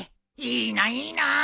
いいないいな！